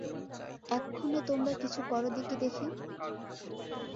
এক্ষণে তোমরা কিছু কর দিকি দেখি।